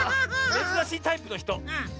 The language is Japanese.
めずらしいタイプのひと。